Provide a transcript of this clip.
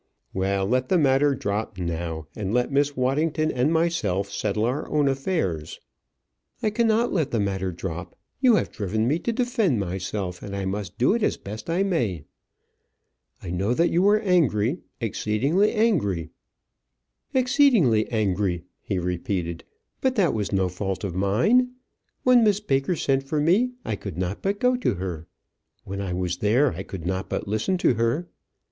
"Well, let the matter drop now; and let Miss Waddington and myself settle our own affairs." "I cannot let the matter drop; you have driven me to defend myself, and I must do it as best I may. I know that you were angry, exceedingly angry "Exceedingly angry!" he repeated; "but that was no fault of mine. When Miss Baker sent for me, I could not but go to her. When I was there, I could not but listen to her.